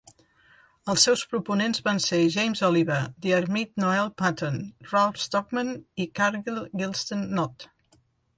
Els seus proponents van ser James Oliver, Diarmid Noel Paton, Ralph Stockman i Cargill Gilston Knott.